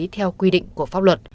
theo quy định của pháp luật